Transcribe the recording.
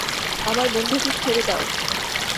আমার বন্ধুকে ছেড়ে দাও।